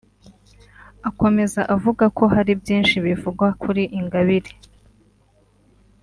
Akomeza avuga ko hari byinshi bivugwa kuri Ingabire